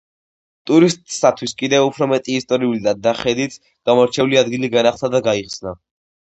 ტურისტთათვის კიდევ უფრო მეტი ისტორიული და და ხედით გამორჩეული ადგილი განახლდა და გაიხსნა.